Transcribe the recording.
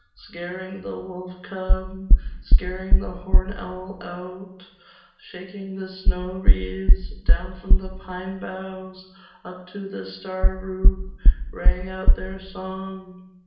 Scaring the wolf cub, Scaring the horn owl out, Shaking the snow wreaths Down from the pine boughs, Up to the star roof Rang out their song.